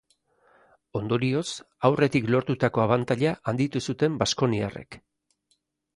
Ondorioz, aurretik lortutako abantaila handitu zuten baskoniarrek.